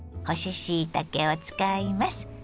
干ししいたけを使います。